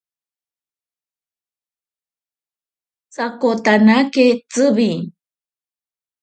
Sokotanake Tsiwi.